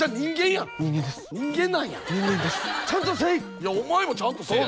いやお前もちゃんもせい。